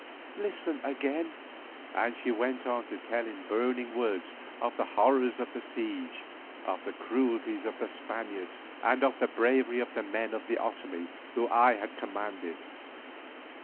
Listen again:" and she went on to tell in burning words of the horrors of the siege, of the cruelties of the Spaniards, and of the bravery of the men of the Otomie whom I had commanded.